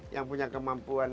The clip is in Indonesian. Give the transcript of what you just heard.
yang punya kemampuan